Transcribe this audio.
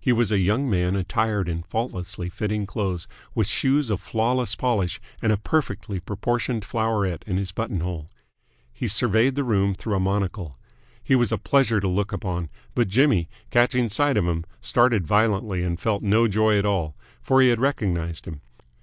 He was a young man attired in faultlessly fitting clothes, with shoes of flawless polish and a perfectly proportioned floweret in his buttonhole. He surveyed the room through a monocle. He was a pleasure to look upon, but Jimmy, catching sight of him, started violently and felt no joy at all; for he had recognised him.